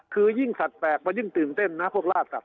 คือยิ่งสัตว์แปลกมันยิ่งตื่นเต้นนะพวกล่าสัตว